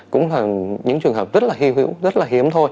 cũng là những trường hợp rất là hiếu hiếu rất là hiếm thôi